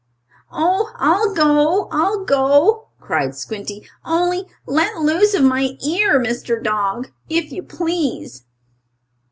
"Oh, I'll go! I'll go!" cried Squinty. "Only let loose of my ear, Mr. Dog, if you please!"